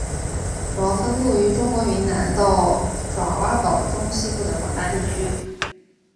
主要分布于中国云南到爪哇岛中西部的广大地区。